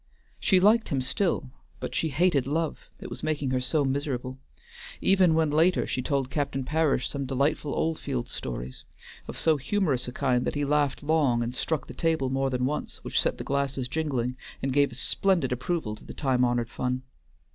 She liked him still, but she hated love, it was making her so miserable, even when later she told Captain Parish some delightful Oldfields stories, of so humorous a kind that he laughed long and struck the table more than once, which set the glasses jingling, and gave a splendid approval to the time honored fun.